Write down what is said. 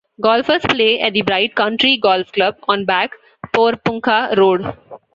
Golfers play at the Bright Country Golf Club on Back Porepunkah Road.